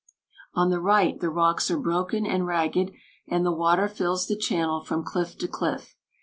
"On the right the rocks are broken and ragged, and the water fills the channel from cliff to cliff.